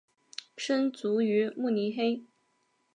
生卒于慕尼黑。